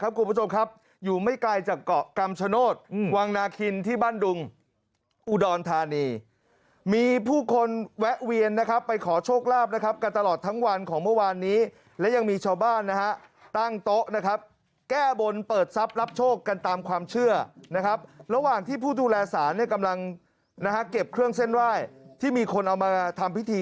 คุณผู้ชมครับอยู่ไม่ไกลจากเกาะคำชโนธวังนาคินที่บ้านดุงอุดรธานีมีผู้คนแวะเวียนนะครับไปขอโชคลาภนะครับกันตลอดทั้งวันของเมื่อวานนี้และยังมีชาวบ้านนะฮะตั้งโต๊ะนะครับแก้บนเปิดทรัพย์รับโชคกันตามความเชื่อนะครับระหว่างที่ผู้ดูแลสารเนี่ยกำลังนะฮะเก็บเครื่องเส้นไหว้ที่มีคนเอามาทำพิธี